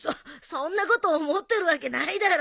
そんなこと思ってるわけないだろう。